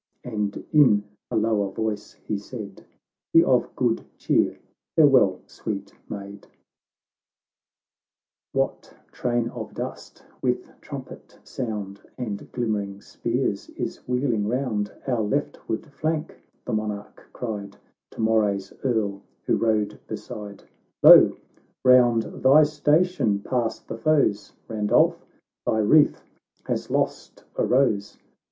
And in a lower voice he said, " Be of good cheer— farewell, sweet maid !"— XVIII " What train of dust, with trumpet sound And glimmering spears,i is wheeling round Our leftward flank ?"— the Monarch cried, To Moray's Earl, who rode beside :" Lo i round thy station pass the foes ! Randolph, thy wreath has lost a rose."